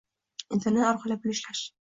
Internet orqali pul ishlash